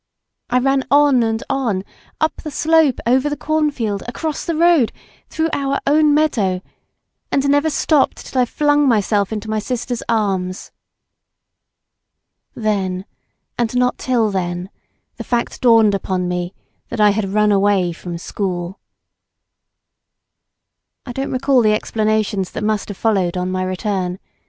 I ran on and on, up the slope over the cornfield, across the road, through our own meadow, and never stopped till I flung myself into my sister's arms. Then, and not till then, the fact dawned upon me that I had run away from school. I don't recall the explanations that must have followed on my return.